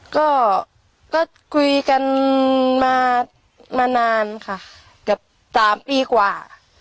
ก็ก็คุยกันมามานานค่ะกับสามปีกว่า